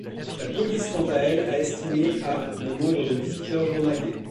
La police quant à elle a estimé à le nombre de visiteurs journaliers.